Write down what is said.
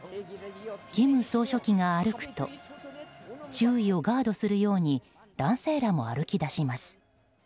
金総書記が歩くと周囲をガードするように男性らも歩き出します。